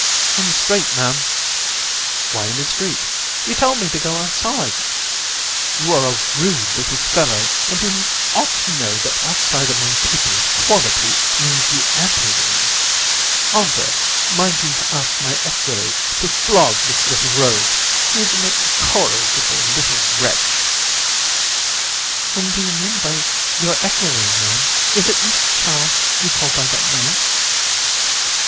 In the street, Ma'am. COUN. Why in the street? CRI. You told me to go outside. COUN. You are a rude little fellow, and you ought to know that outside among people of quality, means the ante room. Andrée, mind you ask my equerry to flog this little rogue. He is an incorrigible little wretch. AND. Whom do you mean by your equerry, Ma'am? Is it Mr. Charles you call by that name? COUN.